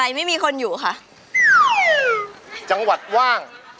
โขให้กลุ่มจังหวัง